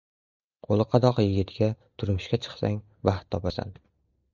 • Qo‘li qadoq yigitga turmushga chiqsang, baxt topasan.